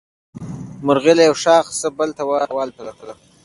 مرغۍ له یو ښاخ نه بل ته والوتله.